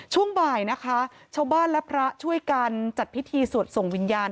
ช่วงบ่ายนะคะชาวบ้านและพระช่วยกันจัดพิธีสวดส่งวิญญาณ